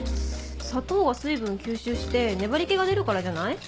砂糖が水分吸収して粘り気が出るからじゃない？